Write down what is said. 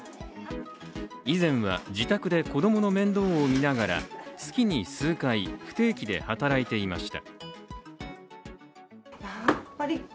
以前は自宅で子供の面倒を見ながら月に数回、不定期で働いていました。